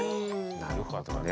なるほどね。